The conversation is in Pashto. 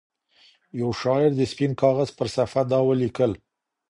يوه شاعر د سپين كاغذ پر صفحه دا وليـكل